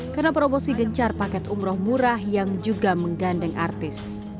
karena promosi gencar paket umroh murah yang juga menggandeng artis